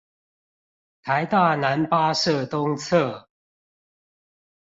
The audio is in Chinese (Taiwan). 臺大男八舍東側